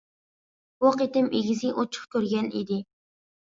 بۇ قېتىم ئىگىسى ئوچۇق كۆرگەن ئىدى.